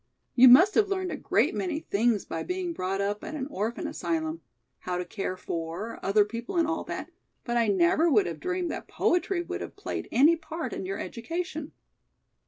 "You must have learned a great many things by being brought up at an orphan asylum, how to care for, other people and all that, but I never would have dreamed that poetry would have played any part in your education."